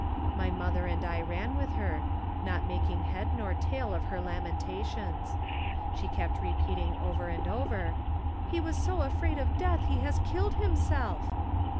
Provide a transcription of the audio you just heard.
My mother and I ran with her, not making head nor tail of her lamentations. She kept repeating over and over, "He was so afraid of death he has killed himself!"